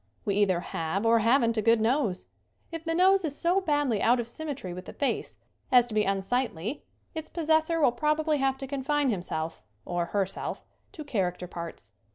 We either have or haven't a good nose. If the nose is so badly out of symmetry with the face as to be unsightly its possessor will probably have to confine himself, or herself, to character parts.